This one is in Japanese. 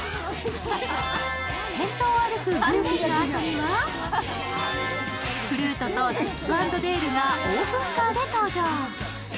先頭を歩くグーフィーのあとにはプルートとチップ＆デールがオープンカーで登場。